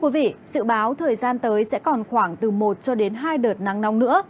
dự báo thời gian tới sẽ còn khoảng từ một cho đến hai đợt nắng nóng nữa